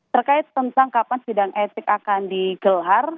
terkait tentang kapan sidang etik akan digelar